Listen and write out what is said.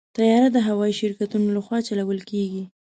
طیاره د هوايي شرکتونو لخوا چلول کېږي.